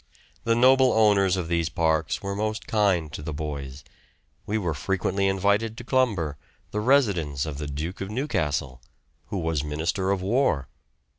The noble owners of these parks were most kind to the boys. We were frequently invited to Clumber, the residence of the Duke of Newcastle, who was Minister of War.